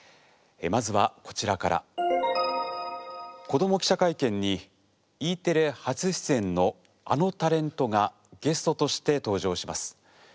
「子ども記者会見」にＥテレ初出演のあのタレントがゲストとして登場します。